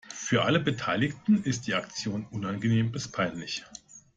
Für alle Beteiligten ist die Aktion unangenehm bis peinlich.